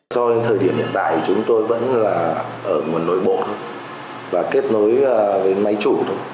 do đến thời điểm hiện tại chúng tôi vẫn ở nguồn nối bộ và kết nối với máy chủ